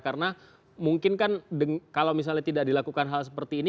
karena mungkin kan kalau misalnya tidak dilakukan hal seperti ini